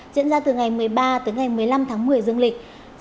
diễn ra từ ngày một mươi ba tới ngày một mươi năm tháng một mươi dương lịch